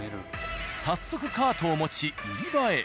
早速カートを持ち売り場へ。